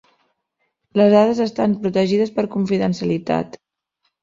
Les dades estan protegides per confidencialitat.